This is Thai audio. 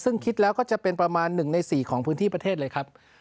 ซึ่งคิดแล้วก็จะเป็นประมาณ๑ใน๔ของพื้นที่ประเทศเลยครับ